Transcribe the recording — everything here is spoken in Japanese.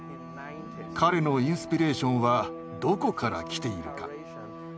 彼のインスピレーションはどこから来ているか。